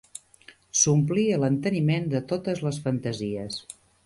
S'omplia l'enteniment de totes les fantasies